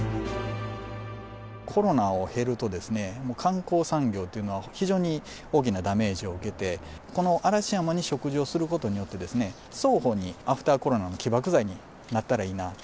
コロナを経ると、観光産業というのは非常に大きなダメージを受けて、この嵐山に植樹をすることによって、双方にアフターコロナの起爆剤になったらいいなと。